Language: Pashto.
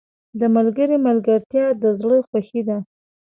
• د ملګري ملګرتیا د زړه خوښي ده.